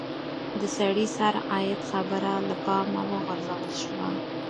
د سړي سر عاید خبره له پامه وغورځول شوه.